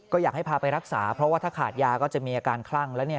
ก็อยากให้พาไปรักษาเพราะว่าถ้าขาดยาก็จะมีอาการคลั่ง